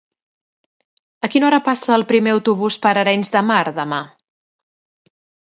A quina hora passa el primer autobús per Arenys de Mar demà?